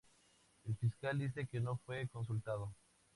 El fiscal dice que no fue consultado.